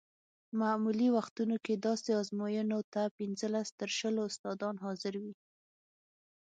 معمولي وختونو کې داسې ازموینو ته پنځلس تر شلو استادان حاضر وي.